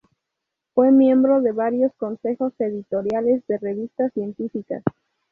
Fue miembro de varios consejos editoriales de revistas científicas.